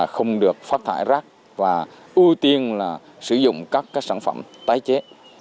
không được phát thải rác và ưu tiên là sử dụng các sản phẩm tái chế